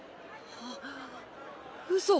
あっうそ。